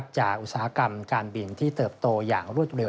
อุตสาหกรรมการบินที่เติบโตอย่างรวดเร็